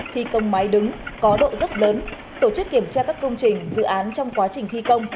thi công máy đứng có độ dốc lớn tổ chức kiểm tra các công trình dự án trong quá trình thi công